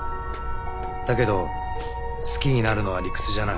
だけど好きになるのは理屈じゃない。